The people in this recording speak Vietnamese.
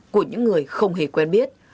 của những người không hề quen biết